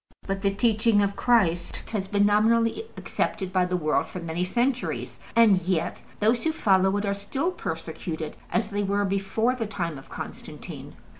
But the teaching of Christ has been nominally accepted by the world for many centuries, and yet those who follow it are still persecuted as they were before the time of Constantine.